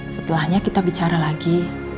setelahnya kita bicara lagi